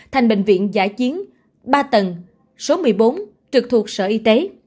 thành bệnh viện giả chiến ba tầng số một mươi bốn trực thuộc sở y tế